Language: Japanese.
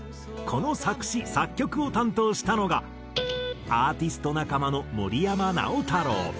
この作詞・作曲を担当したのがアーティスト仲間の森山直太朗。